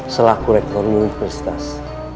selaku rektor universitas